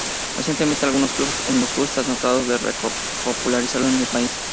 Recientemente, algunos clubs nuevos en Moscú están tratando de re-popularizarlo en el país.